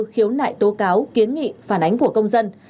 khiếu nại tố cáo kiến nghị phản ánh của công dân